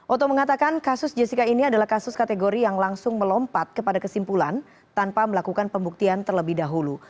oto mengatakan kasus jessica ini adalah kasus kategori yang langsung melompat kepada kesimpulan tanpa melakukan pembuktian terlebih dahulu